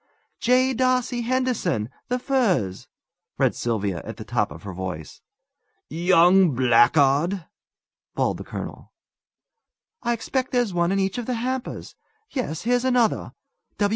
"J. D'Arcy Henderson, The Firs," read Sylvia, at the top of her voice. "Young blackguard!" bawled the colonel. "I expect there's one in each of the hampers. Yes; here's another.